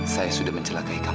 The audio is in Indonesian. saya sudah mencelakai kamu